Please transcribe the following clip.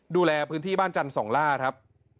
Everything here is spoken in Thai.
ดูแลพื้นที่บ้านจันทร์สองล่าครับ